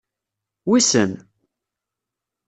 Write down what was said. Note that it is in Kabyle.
Wissen!